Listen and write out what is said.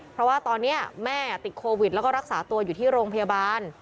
เพราะว่าตอนนี้แม่ติดโควิดแล้วก็รักษาตัวอยู่ที่โรงพยาบาล